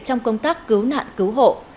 trong công tác cứu nạn cứu hộ